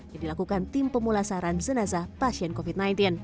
yang dilakukan tim pemulasaran jenazah pasien covid sembilan belas